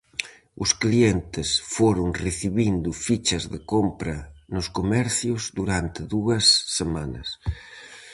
Os clientes foron recibindo fichas de compra nos comercios durante dúas semanas.